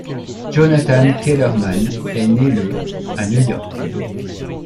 Jonathan Kellerman est né le à New York.